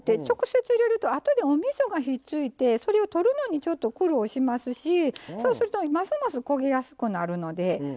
直接入れると後でおみそがひっついてそれを取るのにちょっと苦労しますしそうするとますます焦げやすくなるので。